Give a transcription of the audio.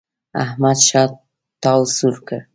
احمد ښه تاو سوړ کړ.